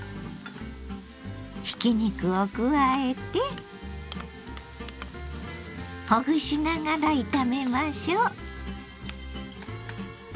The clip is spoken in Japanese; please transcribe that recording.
ひき肉を加えてほぐしながら炒めましょう。